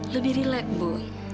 lebih rilek bu